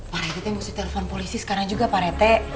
pak rete mesti telpon polisi sekarang juga pak rete